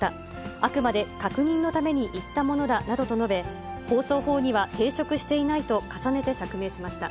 あくまで確認のために言ったものだなどと述べ、放送法には抵触していないと重ねて釈明しました。